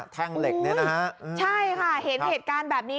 แท่งเหล็กเนี่ยนะฮะใช่ค่ะเห็นเหตุการณ์แบบนี้